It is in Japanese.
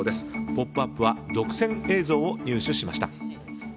「ポップＵＰ！」は独占映像を入手しました。